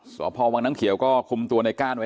สวพวางนางเขียวก็คุมตัว